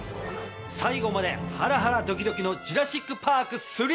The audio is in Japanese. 最後までハラハラドキドキの『ジュラシック・パーク』！